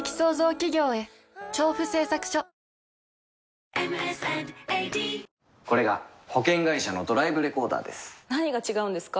しかしこれが保険会社のドライブレコーダーです何が違うんですか？